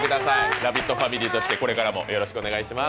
ラヴィットファミリーとしてこれからもよろしくお願いします。